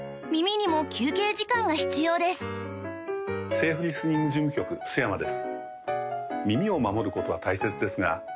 セーフリスニング事務局須山です